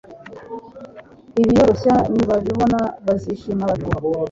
Abiyoroshya nibabibona bazishima bati